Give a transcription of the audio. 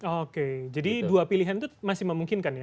oke jadi dua pilihan itu masih memungkinkan ya